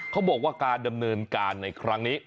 เขาบอกว่าการดำเนินการในครั้งนี้